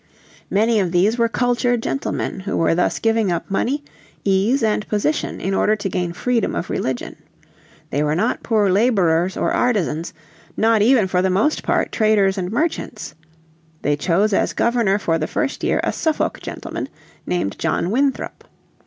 Many of these were cultured gentlemen who were thus giving up money, ease and position in order to gain freedom of religion. They were not poor labourers or artisans, not even for the most part traders and merchants. They chose as Governor for the first year a Suffolk gentleman named John Winthrop.